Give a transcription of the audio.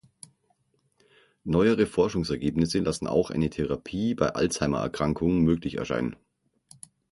Neuere Forschungsergebnisse lassen auch eine Therapie bei Alzheimererkrankung möglich erscheinen.